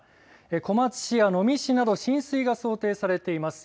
小松市や能美市など浸水が想定されています。